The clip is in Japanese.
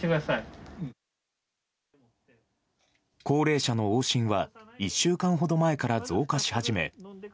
高齢者の往診は１週間ほど前から増加し始め